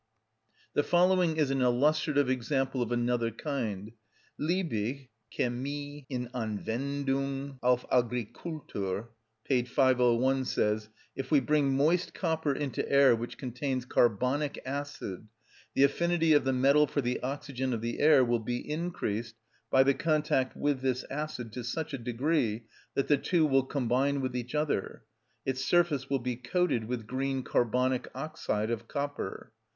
The following is an illustrative example of another kind. Liebig (Chemie in Anwendung auf Agrikultur, p. 501), says: "If we bring moist copper into air which contains carbonic acid, the affinity of the metal for the oxygen of the air will be increased by the contact with this acid to such a degree that the two will combine with each other; its surface will be coated with green carbonic oxide of copper.